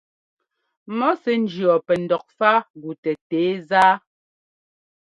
Mɔ̌ sɛ́ njíɔ pɛ ndɔkfágutɛ tɛ̌zá.